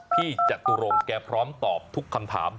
จตุรงค์แกพร้อมตอบทุกคำถาม